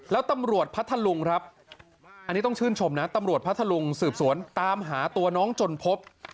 แล้วตำรวจพัทธลุงครับอันนี้ต้องชื่นชมนะตำรวจพัทธลุงสืบสวนตามหาตัวน้องจนพบ